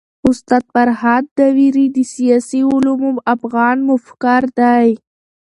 استاد فرهاد داوري د سياسي علومو افغان مفکر دی.